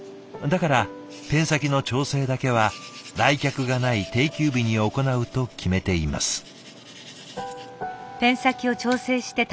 だからペン先の調整だけは来客がない定休日に行うと決めています。